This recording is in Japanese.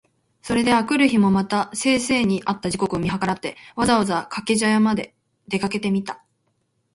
それで翌日（あくるひ）もまた先生に会った時刻を見計らって、わざわざ掛茶屋（かけぢゃや）まで出かけてみた。